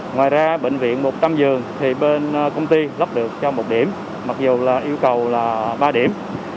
ngoài ra bệnh viện một trăm linh giường thì bên công ty lắp được cho một điểm mặc dù là yêu cầu là ba điểm